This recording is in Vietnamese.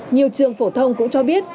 nhiều trường phổ thông cũng cho biết